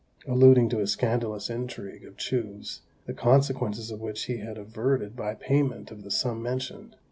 alluding to a scandalous intrigue of Chou's, the consequences of which he had averted by payment of the sum mentioned.